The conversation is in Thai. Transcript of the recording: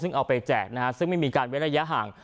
ซึ่งเอาไปแจกนะฮะซึ่งไม่มีการเว้นระยะห่าง